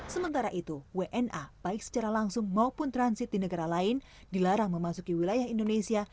sementara itu wna baik secara langsung maupun transit di negara lain dilarang memasuki wilayah indonesia